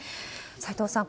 斎藤さん